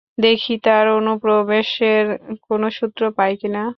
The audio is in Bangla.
দেখি তার অনুপ্রবেশের কোনো সূত্র পাই কিনা।